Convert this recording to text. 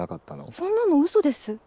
そんなのうそです。